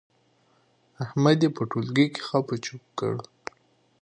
احمد يې په ټولګي کې خپ و چپ کړ.